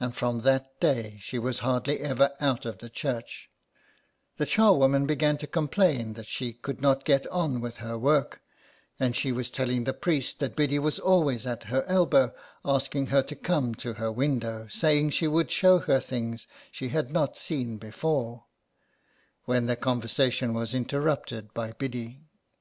And from that day she was hardly ever out of the church; the charwoman began to complain that she could not get on with her work, and she was telling the priest that Biddy was always at her elbow, asking her to come to her window, saying she would show her things she had not seen before, when their conversation was interrupted by Biddy.